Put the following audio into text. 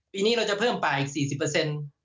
ปีนี้เราจะเพิ่มป่าอีก๔๐